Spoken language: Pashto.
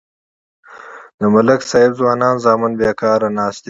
د ملک صاحب ځوانان زامن بیکار ناست دي.